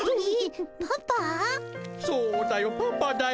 そうだよパパだよ。